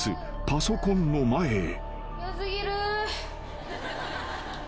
パソコンの前へ］